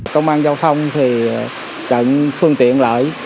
công an giao thông thì chặn phương tiện lợi